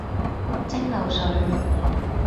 蒸餾水